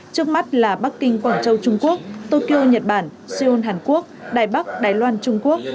trước mắt là bắc kinh quảng châu trung quốc tokyo nhật bản seoul hàn quốc đài bắc đài loan trung quốc